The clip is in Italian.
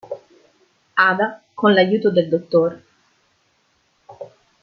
Ada, con l'aiuto del dott.